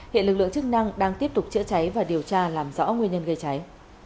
hiện lực lượng chức năng đang tiếp tục chữa cháy và điều tra làm rõ nguyên nhân gây cháy